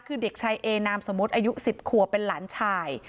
คือเด็กชายเอนามสมมุติอายุ๑๐ขัวเป็นหลานชาย